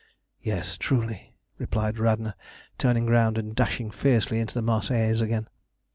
"Yes, truly!" replied Radna, turning round and dashing fiercely into the "Marseillaise" again.